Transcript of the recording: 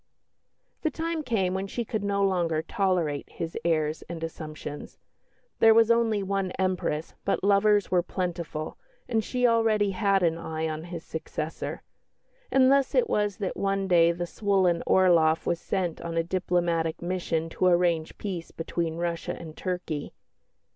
The time came when she could no longer tolerate his airs and assumptions. There was only one Empress, but lovers were plentiful, and she already had an eye on his successor. And thus it was that one day the swollen Orloff was sent on a diplomatic mission to arrange peace between Russia and Turkey.